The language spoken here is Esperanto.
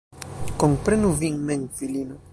Komprenu vin mem, filino.